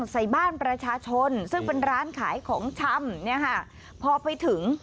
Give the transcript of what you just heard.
ซึ่งเป็นร้านขายของชำพอไปถึง